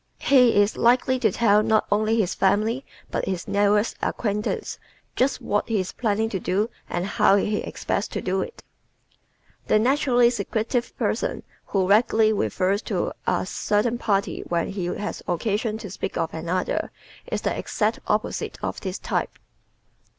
He is likely to tell not only his family but his newest acquaintances just what he is planning to do and how he expects to do it. The naturally secretive person who vaguely refers to "a certain party" when he has occasion to speak of another is the exact opposite of this type.